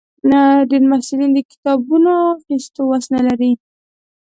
ډېری محصلین د کتابونو اخیستو وس نه لري.